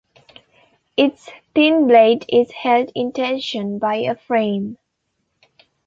Its thin blade is held in tension by a frame.